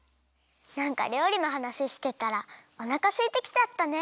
なんかりょうりのはなししてたらおなかすいてきちゃったね。